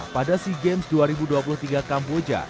pada sea games dua ribu dua puluh tiga kamboja